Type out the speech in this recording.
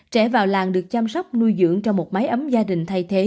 trẻ vào làng được chăm sóc nuôi dưỡng trong một máy ấm gia đình thay thế